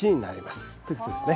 ということですね。